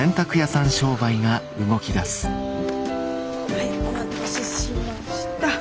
はいお待たせしました。